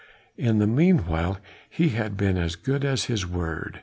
In the meanwhile he had been as good as his word.